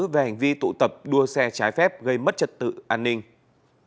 về hành vi tụ tập đua xe trái phép gây mất trật tự an ninh